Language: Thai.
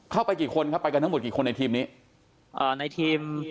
เข้าไปกี่คนครับไปกันทั้งหมดกี่คนในทีมนี้อ่าในทีม